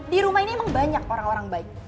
di rumah ini emang banyak orang orang baik